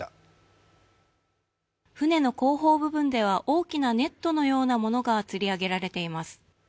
船の後方部分では、大きなネットのようなものがつり上げられています。